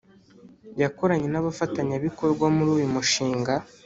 yakoranye n abafatanyabikorwa muri uyu mushinga